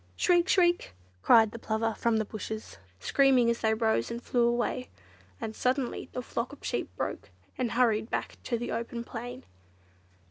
"Shriek! Shriek!" cried the Plover from the bushes, screaming as they rose and flew away; and suddenly the flock of sheep broke and hurried back to the open plain.